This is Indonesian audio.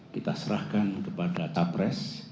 kita serahkan kepada cawapres